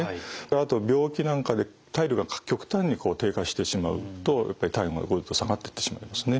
あと病気なんかで体力が極端に低下してしまうとやっぱり体温が下がってってしまいますね。